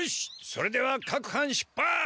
それではかくはん出発！